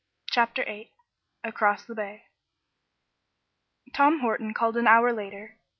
CHAPTER VIII ACROSS THE BAY Tom Horton called an hour later.